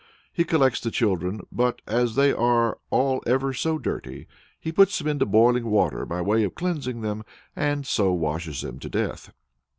He collects the children, but as they are "all ever so dirty" he puts them into boiling water by way of cleansing them, and so washes them to death.